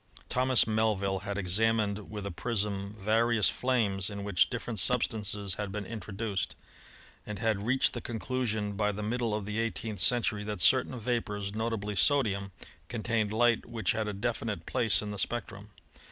Thomas Mel vill had examined with a prism various flames in which different substances had been introduced, and had reached the conclusion by the middle of the eighteenth century that certain vapors, notably sodium, contained light which had a definite place in the spectrum.